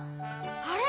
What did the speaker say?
あれ？